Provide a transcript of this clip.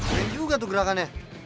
keren juga tuh gerakannya